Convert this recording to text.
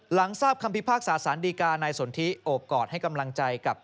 หลังทราบคำพิพากษาสารดีกานายสนทิโอบกอดให้กำลังใจกับ